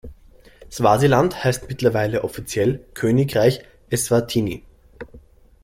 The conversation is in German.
Swasiland heißt mittlerweile offiziell Königreich Eswatini.